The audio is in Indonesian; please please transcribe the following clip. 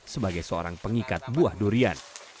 sebagai seorang pengikat buah durian